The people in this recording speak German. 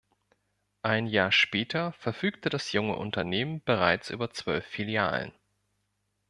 Ein Jahr später verfügte das junge Unternehmen bereits über zwölf Filialen.